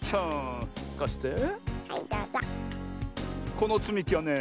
このつみきはね